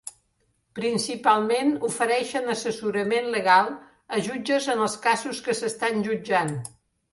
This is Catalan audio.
Principalment ofereixen assessorament legal a jutges en els casos que s'estan jutjant.